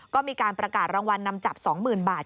ก็มีการประกาศรางวัลนำจับ๒๐๐๐บาท